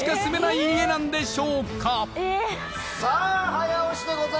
早押しでございます。